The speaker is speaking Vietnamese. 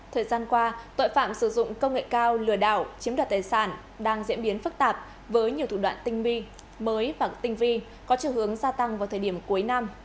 thời gian qua tội phạm sử dụng công nghệ cao lừa đảo chiếm đoạt tài sản đang diễn biến phức tạp với nhiều thủ đoạn tinh vi mới và tinh vi có chiều hướng gia tăng vào thời điểm cuối năm